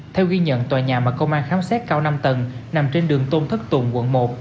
theo ghi nhận tòa nhà mà công an khám xét cao năm tầng nằm trên đường tôn thất tùng quận một